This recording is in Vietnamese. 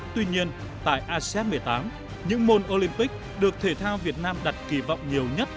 tuy nhiên tại asean một mươi tám những môn olympic được thể thao việt nam đặt kỳ vọng nhiều nhất